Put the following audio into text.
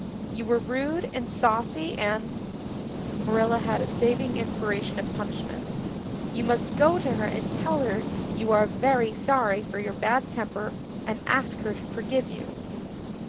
You were rude and saucy and" Marilla had a saving inspiration of punishment "you must go to her and tell her you are very sorry for your bad temper and ask her to forgive you."